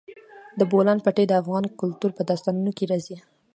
د بولان پټي د افغان کلتور په داستانونو کې راځي.